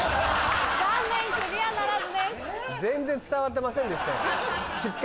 残念クリアならずです。